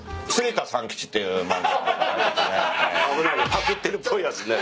パクってるっぽいやつね。